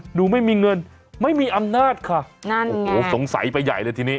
หนูไม่มีเงินไม่มีอำนาจค่ะนั่นโอ้โหสงสัยไปใหญ่เลยทีนี้